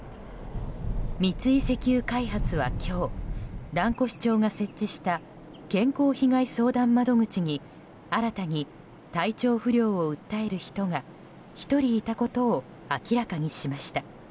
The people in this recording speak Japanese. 三井石油開発は、今日蘭越町が設置した健康被害相談窓口に新たに体調不良を訴える人が１人いたことを明らかにしました。